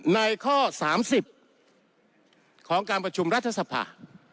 ในข้อ๓๐ของการประชุมรัฐสภา